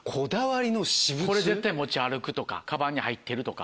これ絶対持ち歩くとかカバンに入ってるとか。